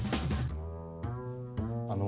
あの。